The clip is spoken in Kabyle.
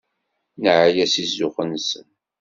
Neɛya seg zzux-nsen.